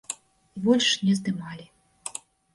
І больш не здымалі.